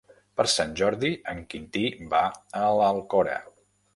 Per Sant Jordi en Quintí va a l'Alcora.